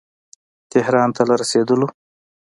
تهران ته له رسېدلو.